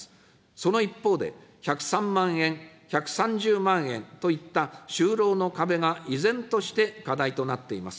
その一方で、１０３万円、１３０万円といった就労の壁が依然として課題となっています。